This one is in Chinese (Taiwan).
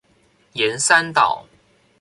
沿山道